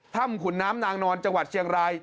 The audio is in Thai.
ขุนน้ำนางนอนจังหวัดเชียงราย